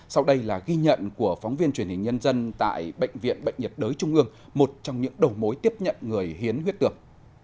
sau đây là ghi nhận của phóng viên truyền hình nhân dân tại bệnh viện bệnh nhiệt đới trung ương một trong những đầu mối tiếp nhận người hiến huyết tương